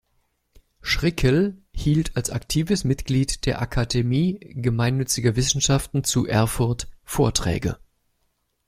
Schrickel hielt als aktives Mitglied der Akademie gemeinnütziger Wissenschaften zu Erfurt Vorträge.